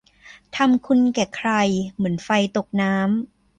ทำคุณแก่ใคร เหมือนไฟตกน้ำ